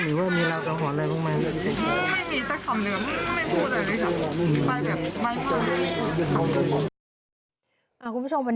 หรือว่ามีราวกระหวนอะไรบ้างมั๊ย